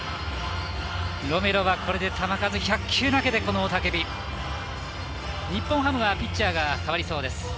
ロメロはこれで球数１００球を投げて日本ハムはピッチャーが代わりそうです。